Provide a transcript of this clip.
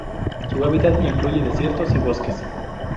Su hábitat incluye desiertos y bosques.